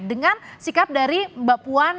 dengan sikap dari mbak puan